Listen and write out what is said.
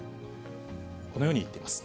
このように言っています。